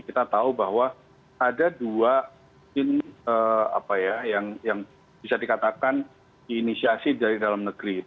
kita tahu bahwa ada dua tim yang bisa dikatakan diinisiasi dari dalam negeri